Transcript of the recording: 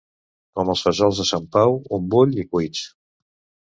Com els fesols de Santa Pau: un bull i cuits.